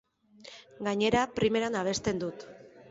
Gainera, primeran abesten du.